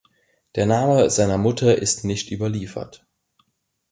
Der Name seiner Mutter ist nicht überliefert.